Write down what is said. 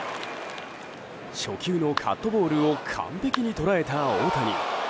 初球のカットボールを完璧に捉えた大谷。